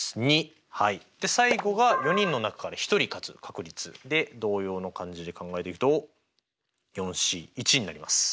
最後が４人の中から１人勝つ確率で同様の感じで考えていくとＣになります。